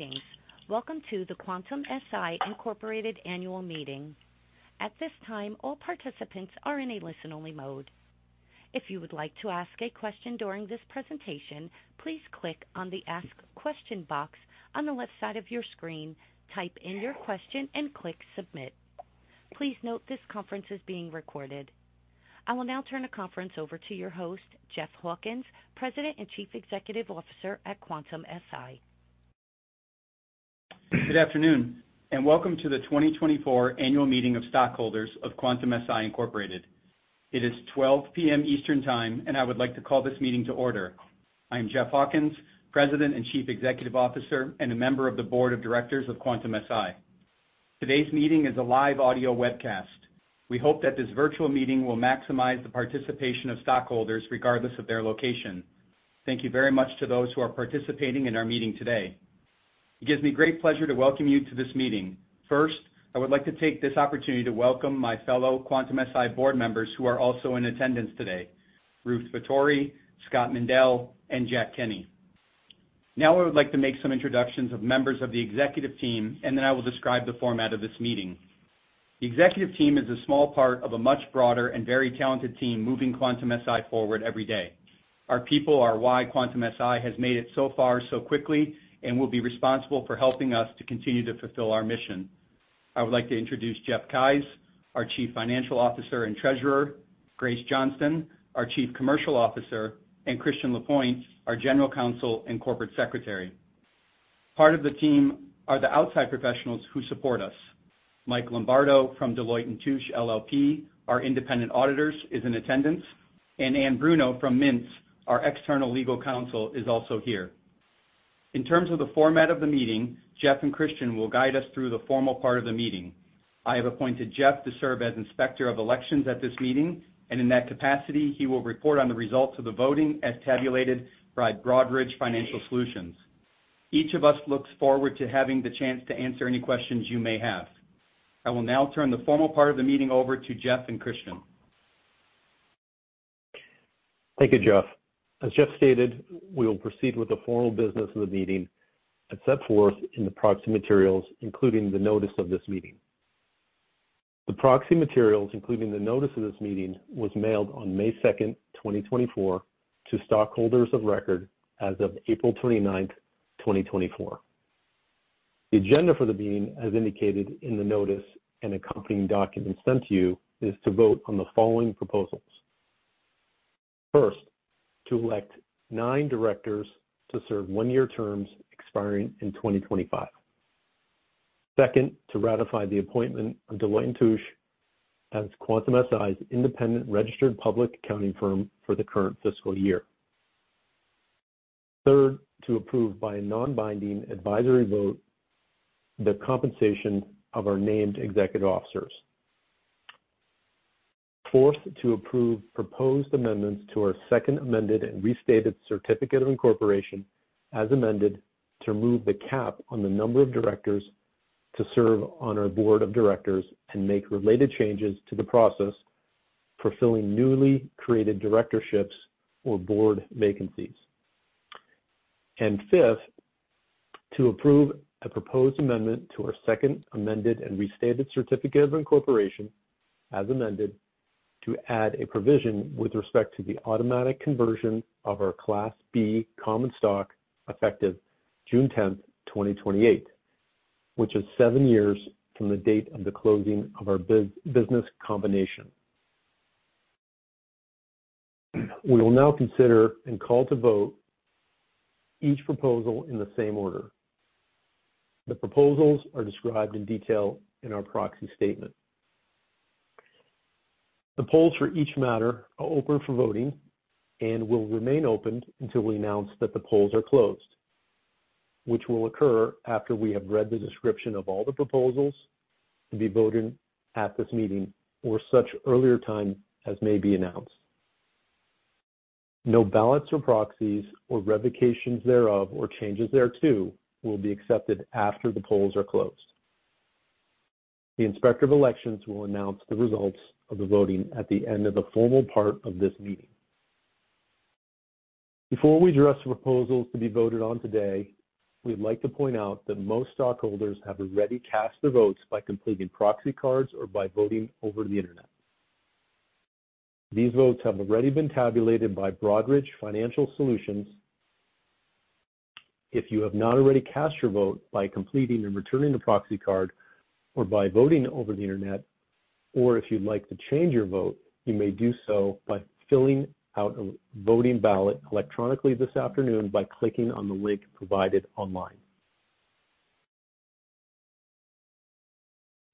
Good evening. Welcome to the Quantum-Si Incorporated Annual Meeting. At this time, all participants are in a listen-only mode. If you would like to ask a question during this presentation, please click on the Ask Question box on the left side of your screen, type in your question, and click Submit. Please note this conference is being recorded. I will now turn the conference over to your host, Jeff Hawkins, President and Chief Executive Officer at Quantum-Si. Good afternoon, and welcome to the 2024 Annual Meeting of Stockholders of Quantum-Si Incorporated. It is 12:00 P.M. Eastern Time, and I would like to call this meeting to order. I'm Jeff Hawkins, President and Chief Executive Officer, and a member of the Board of Directors of Quantum-Si. Today's meeting is a live audio webcast. We hope that this virtual meeting will maximize the participation of stockholders, regardless of their location. Thank you very much to those who are participating in our meeting today. It gives me great pleasure to welcome you to this meeting. First, I would like to take this opportunity to welcome my fellow Quantum-Si board members who are also in attendance today, Ruth Fattori, Scott Mendel, and Jack Kenny. Now, I would like to make some introductions of members of the executive team, and then I will describe the format of this meeting. The executive team is a small part of a much broader and very talented team moving Quantum-Si forward every day. Our people are why Quantum-Si has made it so far, so quickly and will be responsible for helping us to continue to fulfill our mission. I would like to introduce Jeff Keyes, our Chief Financial Officer and Treasurer, Grace Johnston, our Chief Commercial Officer, and Christian LaPointe, our General Counsel and Corporate Secretary. Part of the team are the outside professionals who support us. Mike Lombardo from Deloitte & Touche LLP, our independent auditors, is in attendance, and Anne Bruno from Mintz, our external legal counsel, is also here. In terms of the format of the meeting, Jeff and Christian will guide us through the formal part of the meeting. I have appointed Jeff to serve as Inspector of Elections at this meeting, and in that capacity, he will report on the results of the voting as tabulated by Broadridge Financial Solutions. Each of us looks forward to having the chance to answer any questions you may have. I will now turn the formal part of the meeting over to Jeff and Christian. Thank you, Jeff. As Jeff stated, we will proceed with the formal business of the meeting as set forth in the proxy materials, including the notice of this meeting. The proxy materials, including the notice of this meeting, was mailed on May 2nd, 2024, to stockholders of record as of April 29th, 2024. The agenda for the meeting, as indicated in the notice and accompanying documents sent to you, is to vote on the following proposals. First, to elect nine directors to serve one-year terms expiring in 2025. Second, to ratify the appointment of Deloitte & Touche as Quantum-Si's independent registered public accounting firm for the current fiscal year. Third, to approve by a non-binding advisory vote, the compensation of our named executive officers. Fourth, to approve proposed amendments to our Second Amended and Restated Certificate of Incorporation, as amended, to remove the cap on the number of directors to serve on our board of directors and make related changes to the process for filling newly created directorships or board vacancies. And fifth, to approve a proposed amendment to our Second Amended and Restated Certificate of Incorporation, as amended, to add a provision with respect to the automatic conversion of our Class B Common Stock, effective June 10th, 2028, which is seven years from the date of the closing of our business combination. We will now consider and call to vote each proposal in the same order. The proposals are described in detail in our Proxy Statement. The polls for each matter are open for voting and will remain open until we announce that the polls are closed, which will occur after we have read the description of all the proposals to be voted at this meeting or such earlier time as may be announced. No ballots or proxies, or revocations thereof, or changes thereto, will be accepted after the polls are closed. The Inspector of Elections will announce the results of the voting at the end of the formal part of this meeting. Before we address the proposals to be voted on today, we'd like to point out that most stockholders have already cast their votes by completing proxy cards or by voting over the internet. These votes have already been tabulated by Broadridge Financial Solutions. If you have not already cast your vote by completing and returning the proxy card or by voting over the internet, or if you'd like to change your vote, you may do so by filling out a voting ballot electronically this afternoon by clicking on the link provided online.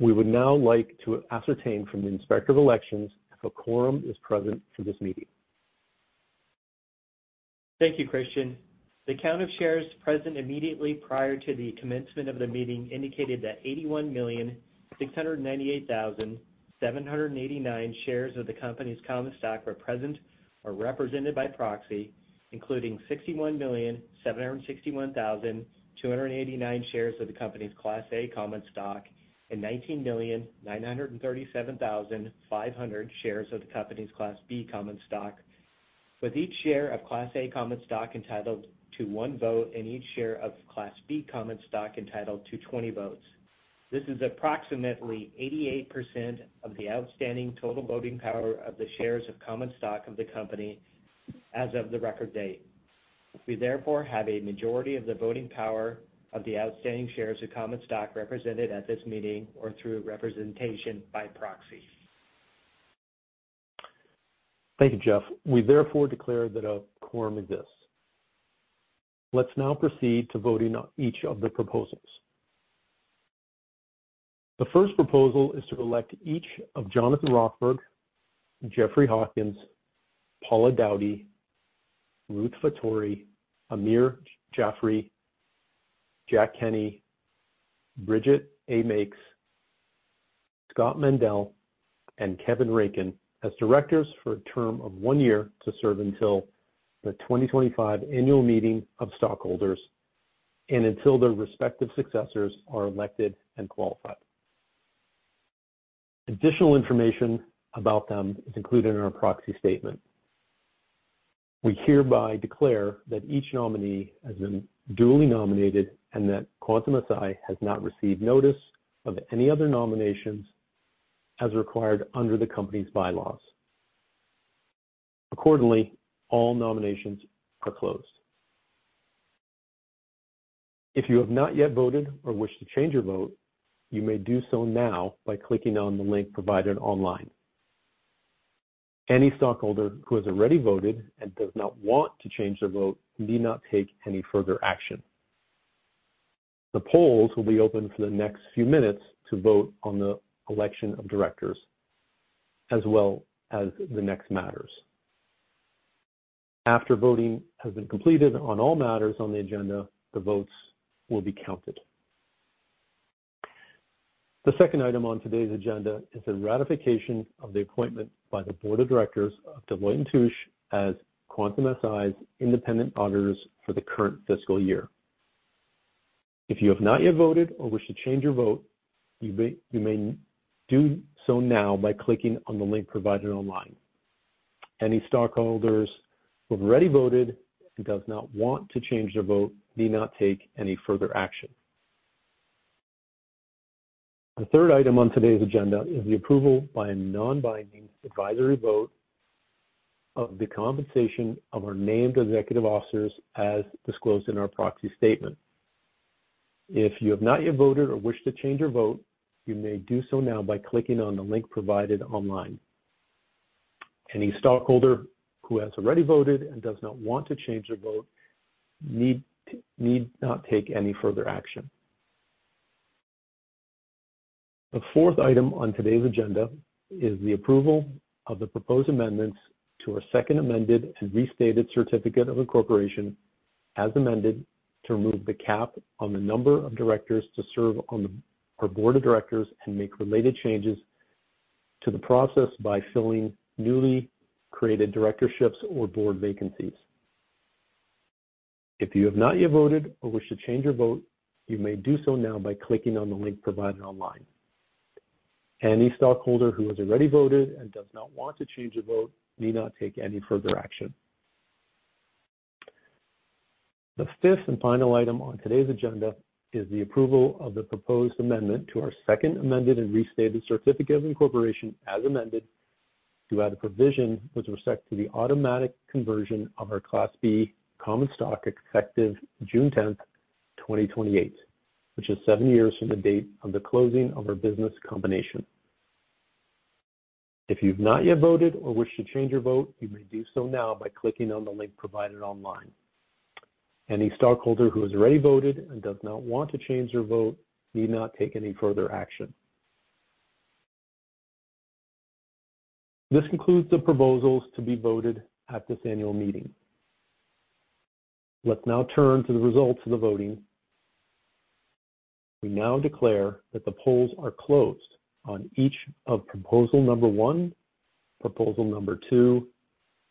We would now like to ascertain from the Inspector of Elections if a quorum is present for this meeting. Thank you, Christian. The count of shares present immediately prior to the commencement of the meeting indicated that 81,698,789 shares of the company's common stock were present or represented by proxy, including 61,761,289 shares of the company's Class A Common Stock and 19,937,500 shares of the company's Class B Common Stock, with each share of Class A Common Stock entitled to 1 vote and each share of Class B Common Stock entitled to 20 votes. This is approximately 88% of the outstanding total voting power of the shares of common stock of the company as of the record date. We therefore have a majority of the voting power of the outstanding shares of common stock represented at this meeting or through representation by proxy. Thank you, Jeff. We therefore declare that a quorum exists. Let's now proceed to voting on each of the proposals. The first proposal is to elect each of Jonathan Rothberg, Jeffrey Hawkins, Paula Dowdy, Ruth Fattori, Amir Jafri, Jack Kenny, Brigid Makes, Scott Mendel, and Kevin Rakin as directors for a term of one year to serve until the 2025 annual meeting of stockholders and until their respective successors are elected and qualified. Additional information about them is included in our proxy statement. We hereby declare that each nominee has been duly nominated and that Quantum-Si has not received notice of any other nominations as required under the company's bylaws. Accordingly, all nominations are closed. If you have not yet voted or wish to change your vote, you may do so now by clicking on the link provided online. Any stockholder who has already voted and does not want to change their vote need not take any further action. The polls will be open for the next few minutes to vote on the election of directors as well as the next matters. After voting has been completed on all matters on the agenda, the votes will be counted. The second item on today's agenda is the ratification of the appointment by the board of directors of Deloitte & Touche as Quantum-Si's independent auditors for the current fiscal year. If you have not yet voted or wish to change your vote, you may, you may do so now by clicking on the link provided online. Any stockholders who have already voted and does not want to change their vote need not take any further action. The third item on today's agenda is the approval by a non-binding advisory vote of the compensation of our named executive officers as disclosed in our Proxy Statement. If you have not yet voted or wish to change your vote, you may do so now by clicking on the link provided online. Any stockholder who has already voted and does not want to change their vote need not take any further action. The fourth item on today's agenda is the approval of the proposed amendments to our Second Amended and Restated Certificate of Incorporation, as amended, to remove the cap on the number of directors to serve on our board of directors and make related changes to the process by filling newly created directorships or board vacancies. If you have not yet voted or wish to change your vote, you may do so now by clicking on the link provided online. Any stockholder who has already voted and does not want to change a vote need not take any further action. The fifth and final item on today's agenda is the approval of the proposed amendment to our Second Amended and Restated Certificate of Incorporation, as amended, to add a provision with respect to the automatic conversion of our Class B Common Stock effective June 10th, 2028, which is seven years from the date of the closing of our business combination. If you've not yet voted or wish to change your vote, you may do so now by clicking on the link provided online. Any stockholder who has already voted and does not want to change their vote need not take any further action. This concludes the proposals to be voted at this annual meeting. Let's now turn to the results of the voting. We now declare that the polls are closed on each of proposal number 1, proposal number 2,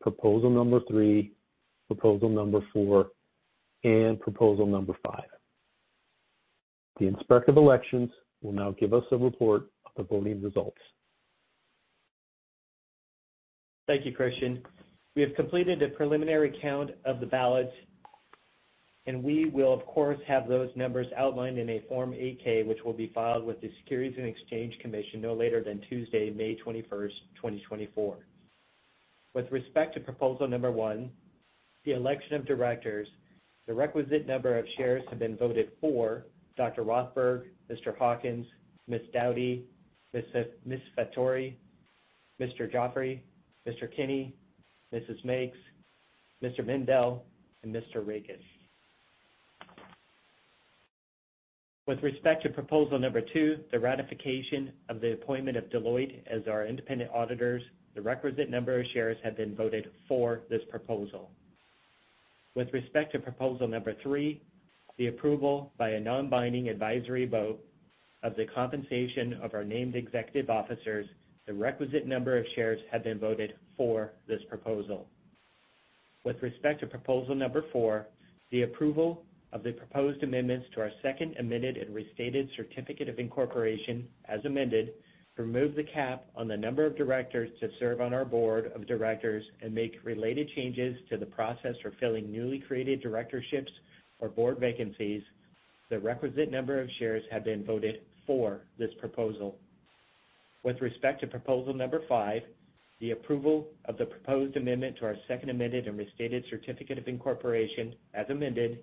proposal number 3, proposal number 4, and proposal number 5. The Inspector of Elections will now give us a report of the voting results. Thank you, Christian. We have completed a preliminary count of the ballots, and we will, of course, have those numbers outlined in a Form 8-K, which will be filed with the Securities and Exchange Commission no later than Tuesday, May 21st, 2024. With respect to proposal number 1, the election of directors, the requisite number of shares have been voted for Dr. Rothberg, Mr. Hawkins, Ms. Dowdy, Ms. Fattori, Mr. Jafri, Mr. Kenny, Mrs. Makes, Mr. Mendel, and Mr. Rakin. With respect to proposal number 2, the ratification of the appointment of Deloitte as our independent auditors, the requisite number of shares have been voted for this proposal. With respect to proposal number three, the approval by a non-binding advisory vote of the compensation of our named executive officers, the requisite number of shares have been voted for this proposal. With respect to proposal number four, the approval of the proposed amendments to our Second Amended and Restated Certificate of Incorporation, as amended, remove the cap on the number of directors to serve on our board of directors and make related changes to the process for filling newly created directorships or board vacancies. The requisite number of shares have been voted for this proposal. With respect to proposal number 5, the approval of the proposed amendment to our Second Amended and Restated Certificate of Incorporation, as amended,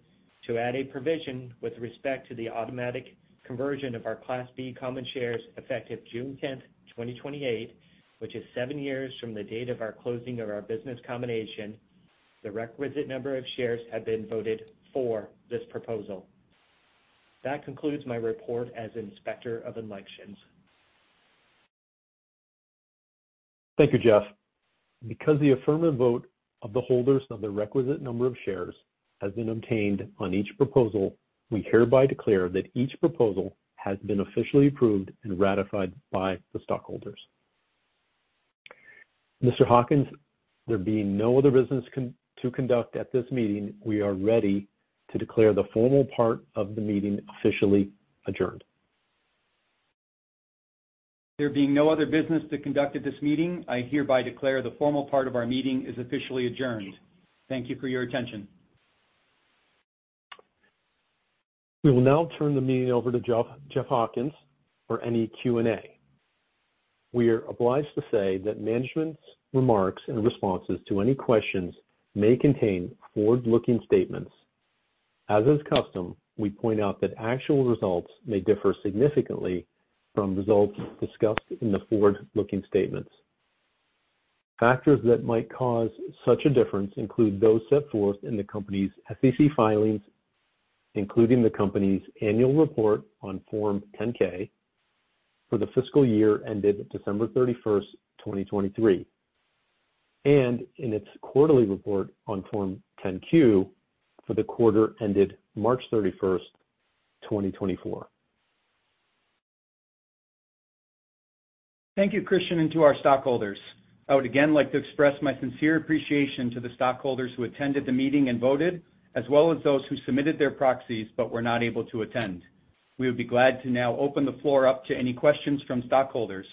to add a provision with respect to the automatic conversion of our Class B common shares effective June 10th, 2028, which is 7 years from the date of our closing of our business combination, the requisite number of shares have been voted for this proposal. That concludes my report as Inspector of Elections. Thank you, Jeff. Because the affirmative vote of the holders of the requisite number of shares has been obtained on each proposal, we hereby declare that each proposal has been officially approved and ratified by the stockholders. Mr. Hawkins, there being no other business to conduct at this meeting, we are ready to declare the formal part of the meeting officially adjourned. There being no other business to conduct at this meeting, I hereby declare the formal part of our meeting is officially adjourned. Thank you for your attention. We will now turn the meeting over to Jeff Hawkins for any Q&A. We are obliged to say that management's remarks and responses to any questions may contain forward-looking statements. As is custom, we point out that actual results may differ significantly from results discussed in the forward-looking statements. Factors that might cause such a difference include those set forth in the company's SEC filings, including the company's Annual Report on Form 10-K for the fiscal year ended December 31st, 2023, and in its Quarterly Report on Form 10-Q for the quarter ended March 31st, 2024. Thank you, Christian, and to our stockholders. I would again like to express my sincere appreciation to the stockholders who attended the meeting and voted, as well as those who submitted their proxies but were not able to attend. We would be glad to now open the floor up to any questions from stockholders.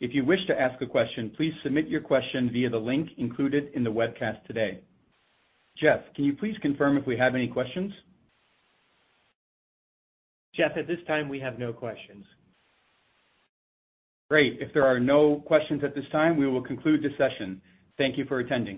If you wish to ask a question, please submit your question via the link included in the webcast today. Jeff, can you please confirm if we have any questions? Jeff, at this time, we have no questions. Great. If there are no questions at this time, we will conclude this session. Thank you for attending.